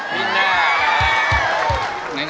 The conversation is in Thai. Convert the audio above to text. นี่หน้าละ